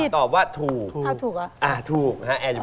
ตอบว่าถูก